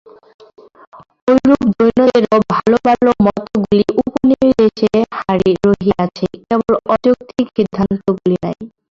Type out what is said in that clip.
এইরূপ জৈনদেরও ভাল ভাল মতগুলি উপনিষদে রহিয়াছে, কেবল অযৌক্তিক সিদ্ধান্তগুলি নাই।